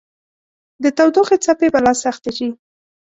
د تودوخې څپې به لا سختې شي